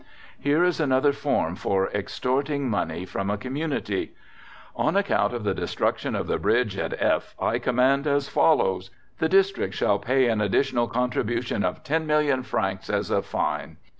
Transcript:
Here is another form for extorting money from a community: "On account of the destruction of the bridge at F......... I command, as follows: "The district shall pay an additional contribution of ten million francs, as a fine.